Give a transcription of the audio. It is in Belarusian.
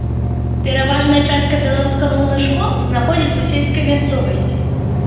Пераважная частка беларускамоўных школ знаходзіцца ў сельскай мясцовасці.